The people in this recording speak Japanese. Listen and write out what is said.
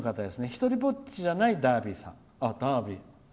ひとりぼっちじゃないダービーさん。